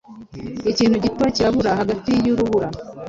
Ikintu gito cyirabura hagati yurubura